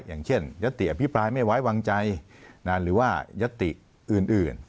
อย่างเช่นยัตติอภิปรายไม่ไว้วางใจหรือว่ายัตติอื่น